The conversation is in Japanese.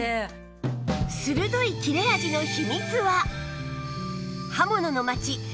鋭い切れ味の秘密は